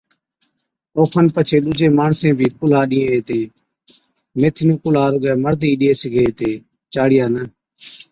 اوکن پڇي ڏُوجين ماڻسين بِي ڪُلھا ڏيئين ھِتين ميٿِي نُون ڪُلها رُگَي مرد ئِي ڏي سِگھي هِتي چاڙِيا نہ